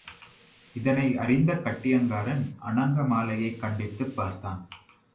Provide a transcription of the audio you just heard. இதனை அறிந்த கட்டியங்காரன் அநங்க மாலையைக் கண்டித்துப் பார்த்தான்.